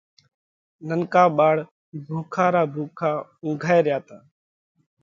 ننڪا ٻاۯ ڀُوکا را ڀُوکا اُنگھائي ريا تا۔